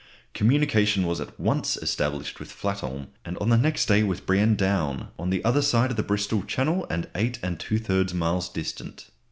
Communication was at once established with Flatholm, and on the next day with Brean Down, on the other side of the Bristol Channel, and 8 2/3 miles distant.